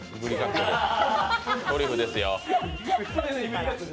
トリュフですよ。